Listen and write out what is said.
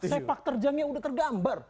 sepak terjangnya udah tergambar